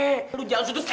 eh lo jangan suntuk suntuk